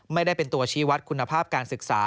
ไม่ได้เป็นตัวชี้วัดคุณภาพการศึกษา